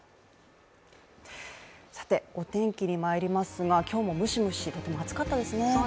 お天気にまいりますが、今日もムシムシしていて暑かったですね。